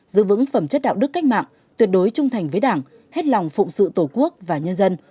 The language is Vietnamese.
giữ vững phẩm chất đạo đức cách mạng tuyệt đối trung thành với đảng hết lòng phụng sự tổ quốc và nhân dân